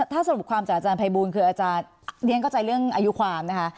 ถ้าสรุปความจากอาจารย์ภัยบูลคืออาจารย์เรียนเข้าใจเรื่องอายุความนะคะ